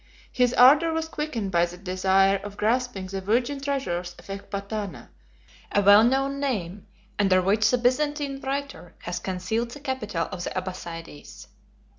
His ardor was quickened by the desire of grasping the virgin treasures of Ecbatana, 117 a well known name, under which the Byzantine writer has concealed the capital of the Abbassides.